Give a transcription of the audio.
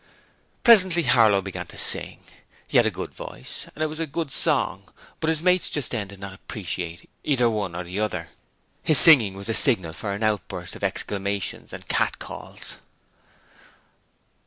Presently Harlow began to sing. He had a good voice and it was a good song, but his mates just then did not appreciate either one of the other. His singing was the signal for an outburst of exclamations and catcalls.